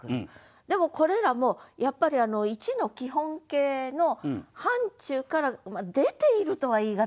でもこれらもやっぱり一の基本形の範ちゅうから出ているとは言い難いでしょ。